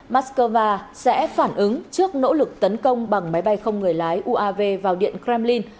moscow sẽ phản ứng trước nỗ lực tấn công bằng máy bay không người lái uav vào điện kremlin